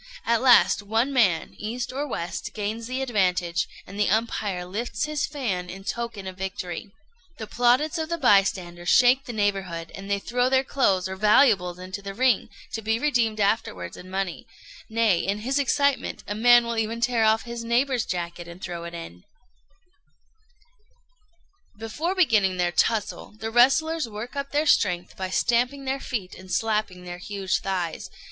At last one man, east or west, gains the advantage, and the umpire lifts his fan in token of victory. The plaudits of the bystanders shake the neighbourhood, and they throw their clothes or valuables into the ring, to be redeemed afterwards in money; nay, in his excitement, a man will even tear off his neighbour's jacket and throw it in." [Footnote 50: The Japanese Gog and Magog.] [Illustration: A WRESTLING MATCH.] Before beginning their tussle, the wrestlers work up their strength by stamping their feet and slapping their huge thighs.